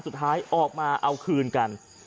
สุดท้ายออกมาเอาคืนกัน